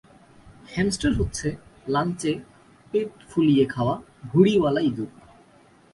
Hamster হচ্ছে লাঞ্চে পেট ফুলিয়ে খাওয়া ভুড়িওয়ালা ইঁদুর!